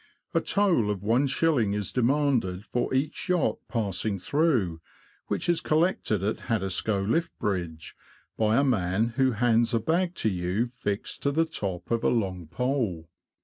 A toll of i^ . is demanded for each yacht passing through, which is collected at Haddiscoe Lift Bridge, by a man who hands a bag to you fixed to the top of a long pole.